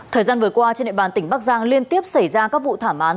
thời gian vừa qua trên địa bàn tỉnh bắc giang liên tiếp xảy ra các vụ thảm án